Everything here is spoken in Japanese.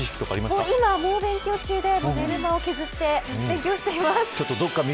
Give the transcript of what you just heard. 今、猛勉強中で寝る間を削って勉強しています。